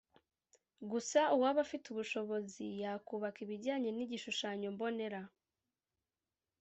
Gusa uwaba afite ubushobozi yakubaka ibijyanye n’igishushanyo mbonera